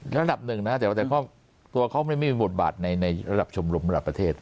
ระดับหนึ่งนะแต่ว่าตัวเขาไม่มีบทบาทในระดับชมรมระดับประเทศ